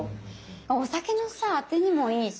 お酒のさあてにもいいし。